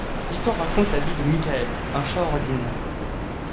L'histoire raconte la vie de Michael, un chat ordinaire.